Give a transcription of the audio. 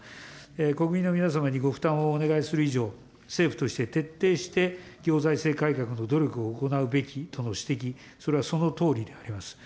国民の皆様にご負担をお願いする以上、政府として徹底して行財政改革の努力を行うべきとの指摘、それはそのとおりであります。